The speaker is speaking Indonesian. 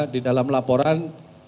di dalam laporan